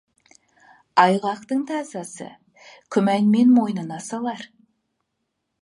Айғақтың тазасы күмәнмен мойнына салар.